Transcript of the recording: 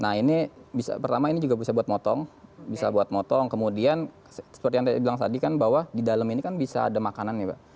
nah ini bisa pertama ini juga bisa buat motong bisa buat motong kemudian seperti yang saya bilang tadi kan bahwa di dalam ini kan bisa ada makanan ya pak